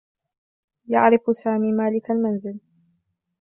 يعرف سامي مالك المنزل.